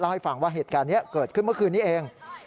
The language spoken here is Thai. ให้ฟังว่าเหตุการณ์นี้เกิดขึ้นเมื่อคืนนี้เอง